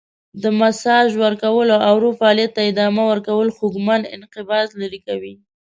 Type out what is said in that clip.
د ماساژ ورکول او ورو فعالیت ته ادامه ورکول خوږمن انقباض لرې کوي.